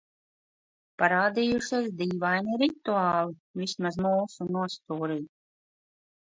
Parādījušies dīvaini rituāli. Vismaz mūsu nostūrī.